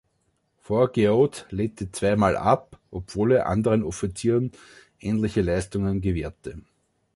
Fourgeoud lehnte zweimal ab, obwohl er anderen Offizieren ähnliche Leistungen gewährte.